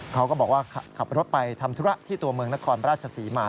เขาก็บอกว่าขับรถไปทำธุระที่ตัวเมืองนครราชศรีมา